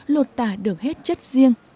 lột tả được hết chất riêng